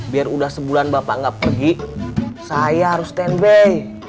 biar udah sebulan bapak nggak pergi saya harus standby